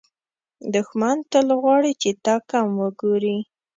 دښمن تل غواړي چې تا کم وګوري